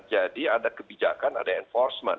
jadi ada kebijakan ada enforcement